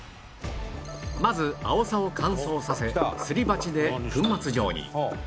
まずアオサを乾燥させすり鉢で粉末状に